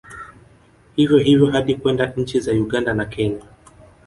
Hivyo hivyo hadi kwenda nchi za Uganda na Kenya